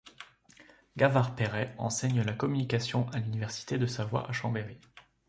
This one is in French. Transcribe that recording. Gavard-Perret enseigne la communication à l’Université de Savoie à Chambéry.